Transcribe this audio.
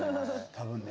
多分ね